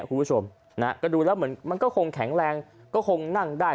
คุณผู้ชมนะฮะก็ดูแล้วเหมือนมันก็คงแข็งแรงก็คงนั่งได้